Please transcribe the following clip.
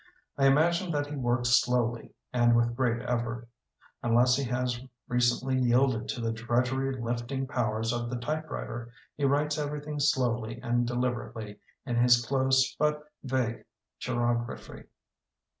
I imagine that he works slowly and with great effort. Unless he has re cently yielded to the drudgery lifting powers of the typewriter, he writes everything slowly and deliberately in his close but vague chirography.